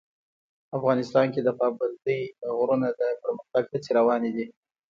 افغانستان کې د پابندی غرونه د پرمختګ هڅې روانې دي.